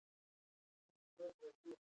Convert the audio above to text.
سید دا مسله نوره هم پېچلې کړه.